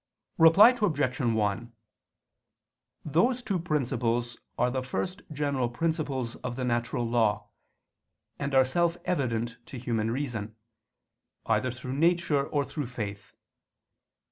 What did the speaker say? Reply Obj. 1: Those two principles are the first general principles of the natural law, and are self evident to human reason, either through nature or through faith.